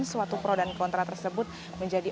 suatu pro dan kontra tersebut menjadi